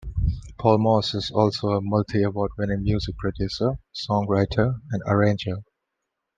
Paul Moss is also a multi-award-winning music producer, songwriter and arranger.